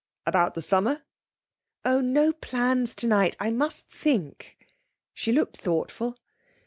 'About the summer?' 'Oh, no plans tonight. I must think.' She looked thoughtful.